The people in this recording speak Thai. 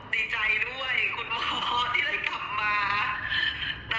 ดีใจด้วยคุณพ่อที่ได้กลับมา